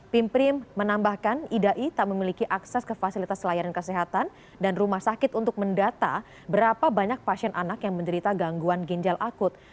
pimprim menambahkan idai tak memiliki akses ke fasilitas layanan kesehatan dan rumah sakit untuk mendata berapa banyak pasien anak yang menderita gangguan ginjal akut